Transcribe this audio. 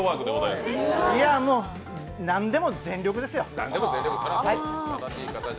いやもう、何でも全力ですよ。